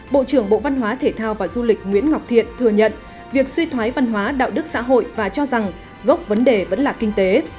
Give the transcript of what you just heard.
bộ trưởng bộ văn hóa thể thao và du lịch nguyễn ngọc thiện thừa nhận việc suy thoái văn hóa đạo đức xã hội và cho rằng gốc vấn đề vẫn là kinh tế